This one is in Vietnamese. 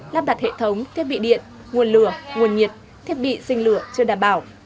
lắp đặt hệ thống thiết bị điện nguồn lửa nguồn nhiệt thiết bị sinh lửa chưa đảm bảo